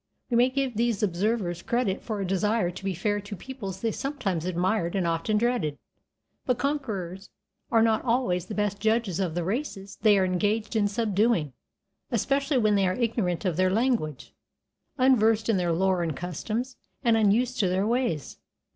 We may give these observers credit for a desire to be fair to peoples they sometimes admired and often dreaded, but conquerors are not always the best judges of the races they are engaged in subduing, especially when they are ignorant of their language, unversed in their lore and customs, and unused to their ways.